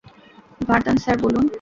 Vardaan sir, বলুন।